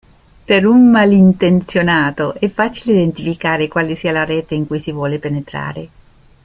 Per un malintenzionato è facile identificare quale sia la rete in cui si vuole penetrare!